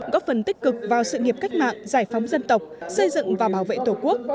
góp phần tích cực vào sự nghiệp cách mạng giải phóng dân tộc xây dựng và bảo vệ tổ quốc